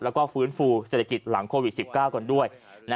แล้วก็ฟื้นฟูเศรษฐกิจหลังโควิด๑๙กันด้วย